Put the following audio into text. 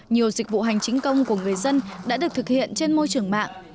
nhiều dịch vụ hành chính công của người dân đã được thực hiện trên môi trường mạng